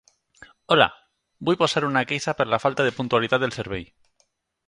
Hola, vull posar una queixa per la falta de puntualitat del servei.